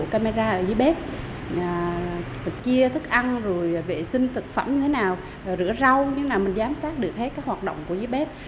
chia thức ăn vệ sinh thực phẩm như thế nào rửa rau như thế nào mình giám sát được hết các hoạt động của dưới bếp